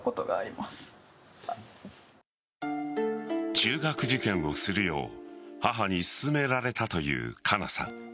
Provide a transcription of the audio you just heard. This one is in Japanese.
中学受験をするよう母に勧められたという加奈さん。